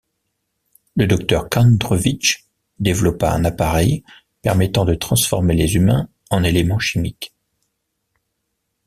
Le docteur Khandruvitch développa un appareil permettant de transformer les humains en éléments chimiques.